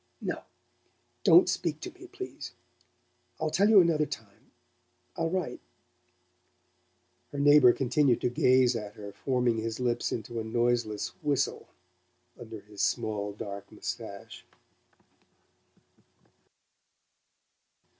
"No don't speak to me, please. I'll tell you another time I'll write." Her neighbour continued to gaze at her, forming his lips into a noiseless whistle under his small dark moustache.